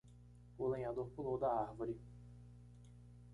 O lenhador pulou da árvore.